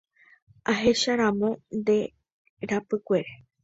Ahecharamo nde rapykuere.